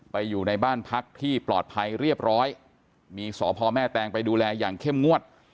อยู่ในบ้านพักที่ปลอดภัยเรียบร้อยมีสพแม่แตงไปดูแลอย่างเข้มงวด